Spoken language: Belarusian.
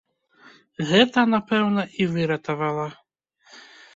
Гэта, напэўна, і выратавала.